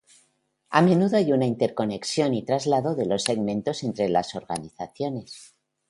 A menudo hay una interconexión y traslado de los segmentos entre las organizaciones.